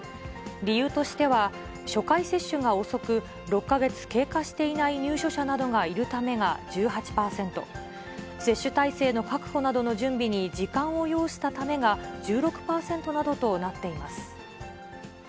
理由としては、初回接種が遅く、６か月経過していない入所者などがいるためが１８％、接種体制の確保などの準備に時間を要したためが１６％などとなっています。